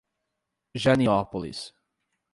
Janiópolis